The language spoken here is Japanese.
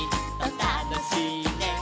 「たのしいね」